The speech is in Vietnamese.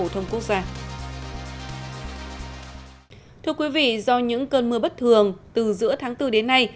thưa quý vị do những cơn mưa bất thường từ giữa tháng bốn đến nay